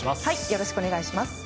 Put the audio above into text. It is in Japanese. よろしくお願いします。